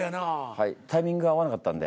はいタイミングが合わなかったんで。